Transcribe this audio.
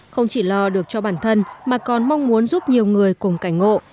không chỉ lo được cho bản thân mà còn mong muốn giúp nhiều người cùng cảnh ngộ